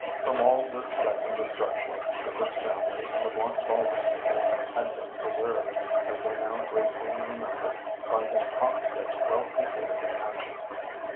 From all this death and destruction Hubert's family and the Wantabalree people had been preserved, as they now gratefully remembered, by his prompt yet well considered action.